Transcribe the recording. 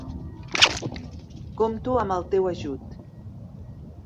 Compto amb el teu ajut.